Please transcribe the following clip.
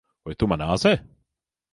Vai tu mani āzē?